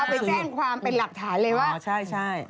ไปแจ้งความเป็นหลักฐานเลยว่าใช่ใช่